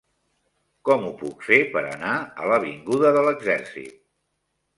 Com ho puc fer per anar a l'avinguda de l'Exèrcit?